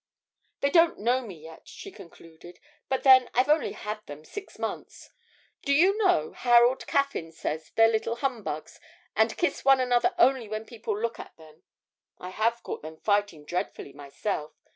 'They don't know me yet,' she concluded, 'but then I've only had them six months. Do you know, Harold Caffyn says they're little humbugs, and kiss one another only when people look at them. I have caught them fighting dreadfully myself.